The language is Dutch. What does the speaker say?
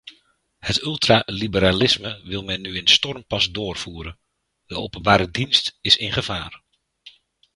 Het ultraliberalisme wil men nu in stormpas doorvoeren, de openbare dienst is in gevaar.